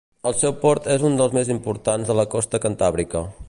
El seu port és un dels més importants de la costa cantàbrica.